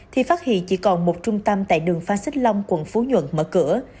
thì phát hiện chỉ còn một trung tâm tại đường phan xích long quận phú nhuận mở cửa